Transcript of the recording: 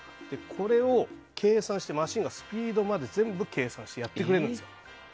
これをマシンがスピードまで計算して全部やってくれるんです。